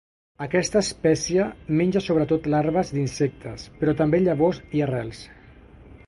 Aquesta espècie menja sobretot larves d'insectes, però també llavors i arrels.